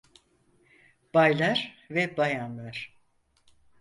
Baylar ve bayanlar.